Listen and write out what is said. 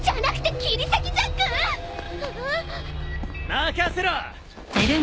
任せろ！